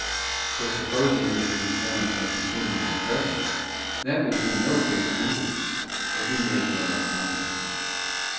For supposing that these forms are continually present, that would be no great hindrance, if we make no account of them.